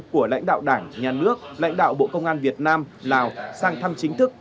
của lãnh đạo đảng nhà nước lãnh đạo bộ công an việt nam lào sang thăm chính thức